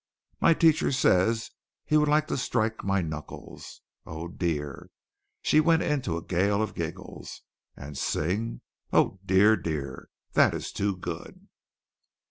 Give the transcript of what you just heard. My teacher says he would like to strike my knuckles. Oh, dear!" (She went into a gale of giggles.) "And sing! Oh, dear, dear! That is too good!"